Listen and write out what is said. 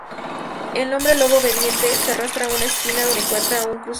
El hombre lobo obediente se arrastra a una esquina, donde encuentra un crucifijo.